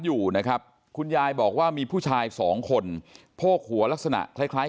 อยู่นะครับคุณยายบอกว่ามีผู้ชายสองคนโพกหัวลักษณะคล้ายคล้าย